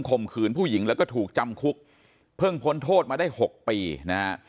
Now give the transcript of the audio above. มขืนผู้หญิงแล้วก็ถูกจำคุกเพิ่งพ้นโทษมาได้๖ปีนะฮะ